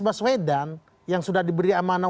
baswedan yang sudah diberi amanah